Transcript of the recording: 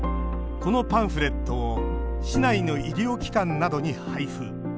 このパンフレットを市内の医療機関などに配布。